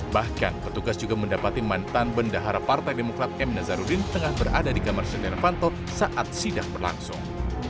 bahkan petugas juga mendapati mantan bendahara partai demokrat m nazarudin tengah berada di kamar setia novanto saat sidak berlangsung